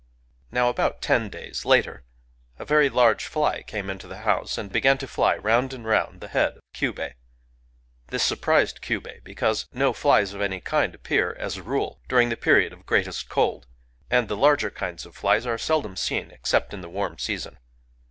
Now, about ten days later, a very large fly came into the house, and began to fly round and round the head of Kyubei. This surprised Kyubei, because no flies of any kind appear, as a rule, during the Period of Greatest Cold, and the larger kinds of flies are seldom seen except in the warm season.